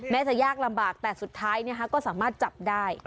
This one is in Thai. จะยากลำบากแต่สุดท้ายก็สามารถจับได้